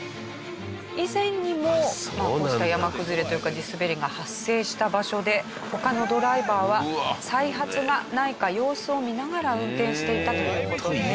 以前にもこうした山崩れというか地滑りが発生した場所で他のドライバーは再発がないか様子を見ながら運転していたという事です。